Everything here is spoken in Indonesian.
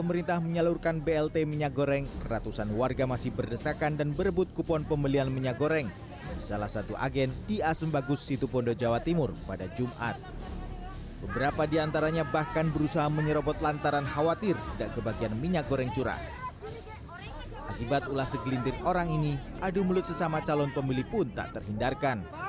bantuan ini akan diberikan kepada keluarga penerima bantuan pangan non tunai dan pedagang kaki lima yang berjualan makanan goreng